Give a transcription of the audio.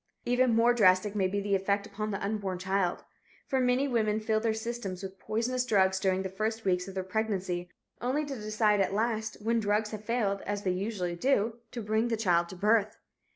Even more drastic may be the effect upon the unborn child, for many women fill their systems with poisonous drugs during the first weeks of their pregnancy, only to decide at last, when drugs have failed, as they usually do, to bring the child to birth.